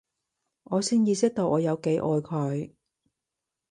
我先意識到我有幾愛佢